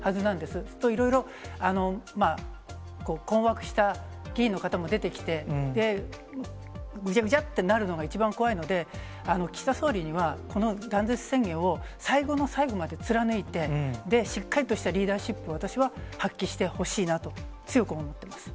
すると、いろいろ困惑した議員の方も出てきて、ぐじゃぐじゃってなるのが一番怖いので、岸田総理には、この断絶宣言を最後の最後まで貫いて、しっかりとしたリーダーシップを私は発揮してほしいなと、強く思ってます。